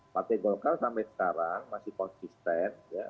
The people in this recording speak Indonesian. partai golkar sampai sekarang masih konsisten